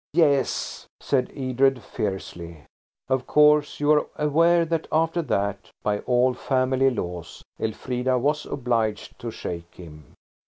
"Yes," said Edred fiercely. Of course, you are aware that after that, by all family laws, Elfrida was obliged to shake him.